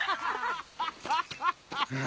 アハハハ！